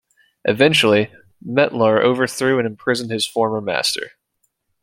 Eventually, Metlar overthrew and imprisoned his former master.